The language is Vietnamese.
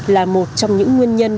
là một trong những nguyên nhân